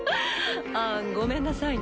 ああごめんなさいね。